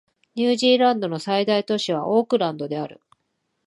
ニュージーランドの最大都市はオークランドである